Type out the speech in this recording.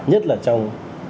nhất là trong